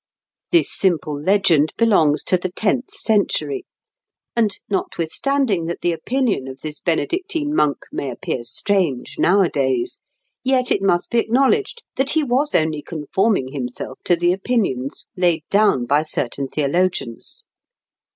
This simple legend belongs to the tenth century; and notwithstanding that the opinion of this Benedictine monk may appear strange nowadays, yet it must be acknowledged that he was only conforming himself to the opinions laid down by certain theologians.